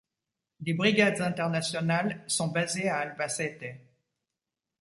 Les Brigades internationales sont basées à Albacete.